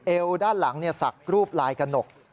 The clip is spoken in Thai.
ด้านหลังสักรูปลายกระหนก